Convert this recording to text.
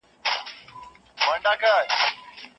پخواني فيلسوفان تر اوسنيو سياستوالو زيات نظري ول.